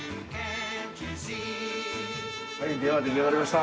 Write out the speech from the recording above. はいでは出来上がりました。